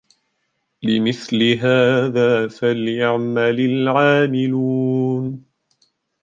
لِمِثْلِ هَذَا فَلْيَعْمَلِ الْعَامِلُونَ